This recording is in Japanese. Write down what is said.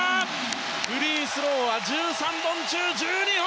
フリースローは１３本中１２本！